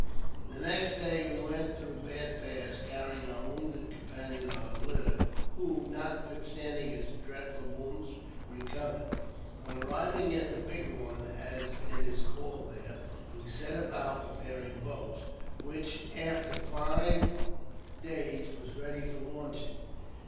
The next day we went through Bad Pass, carrying our wounded companion on a litter, who, notwithstanding his dreadful wounds, recovered. On arriving at the *' Big Horn," as it is called there, we set about preparing boats, which, after five days, were ready for launching.